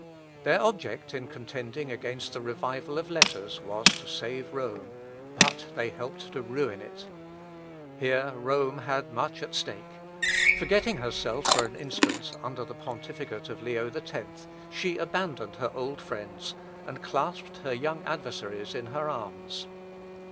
Their object in contending against the revival of letters was to save Rome, but they helped to ruin it. Here Rome had much at stake. Forgetting herself for an instant under the pontificate of Leo X, she abandoned her old friends, and clasped her young adversaries in her arms.